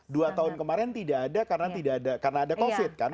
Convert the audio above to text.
dua tahun kemarin tidak ada karena ada covid kan